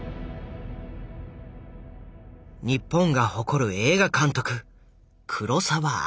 日本が誇る映画監督黒澤明。